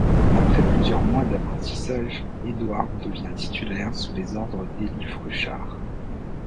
Après plusieurs mois d'apprentissage, Hédoire devient titulaire sous les ordres d'Élie Fruchart.